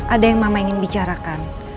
ada yang mama ingin bicarakan